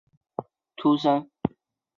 康熙二十八年十一月出生。